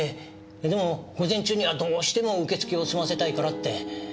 でも午前中にはどうしても受け付けを済ませたいからって。